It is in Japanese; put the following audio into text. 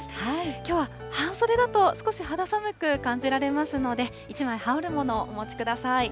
きょうは半袖だと少し肌寒く感じられますので、１枚羽織るものをお持ちください。